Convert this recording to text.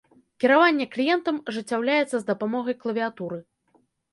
Кіраванне кліентам ажыццяўляецца з дапамогай клавіятуры.